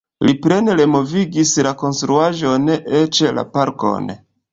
Li plene renovigis la konstruaĵon eĉ la parkon.